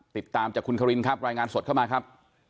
ติดตามจากคุณครินครับรายงานสดเข้ามาครับ